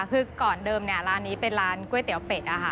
คือก่อนเดิมเนี่ยร้านนี้เป็นร้านก๋วยเตี๋ยวเป็ดนะคะ